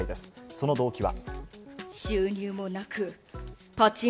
その動機は。